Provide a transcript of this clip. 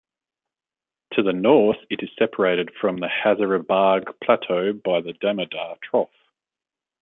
To the north it is separated from the Hazaribagh plateau by the Damodar trough.